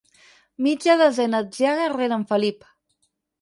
Mitja desena atziaga rere en Felip.